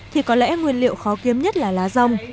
thì có lẽ nguyên liệu khó kiếm nhất là lá rong